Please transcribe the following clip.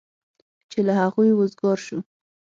چې له هغوی وزګار شو.